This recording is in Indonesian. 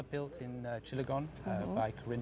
pergerakan di pergerakan di cilogon